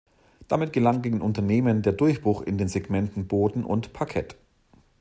Damit gelang dem Unternehmen der Durchbruch in den Segmenten Boden und Parkett.